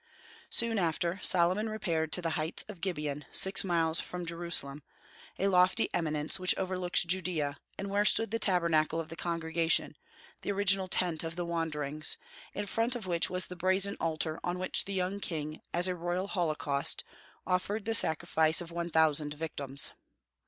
Soon after Solomon repaired to the heights of Gibeon, six miles from Jerusalem, a lofty eminence which overlooks Judaea, and where stood the Tabernacle of the Congregation, the original Tent of the Wanderings, in front of which was the brazen altar on which the young king, as a royal holocaust, offered the sacrifice of one thousand victims.